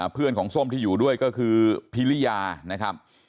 เพื่อนของส้มที่อยู่ด้วยก็คือพิริยานะครับ